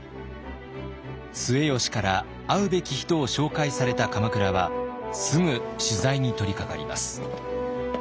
末吉から会うべき人を紹介された鎌倉はすぐ取材に取りかかります。